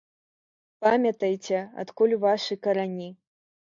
Памятайце, адкуль вашы карані.